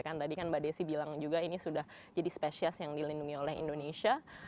ya kan tadi kan mbak desy bilang juga ini sudah jadi spesies yang dilindungi oleh indonesia